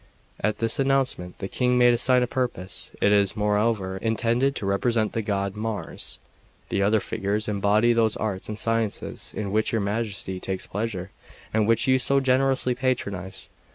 At this announcement the King made a sign of surprise. "It is, moreover, intended to represent the god Mars. The other figures embody those arts and sciences in which your Majesty takes pleasure, and which you so generously patronise.